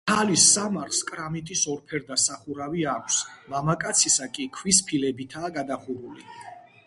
ქალის სამარხს კრამიტის ორფერდა სახურავი აქვს, მამაკაცისა კი ქვის ფილებითაა გადახურული.